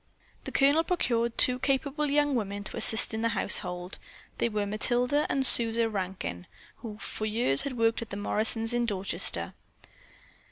The Colonel procured two capable young women to assist in the household. They were Matilda and Susan Rankin, who for years had worked for the Morrisons in Dorchester.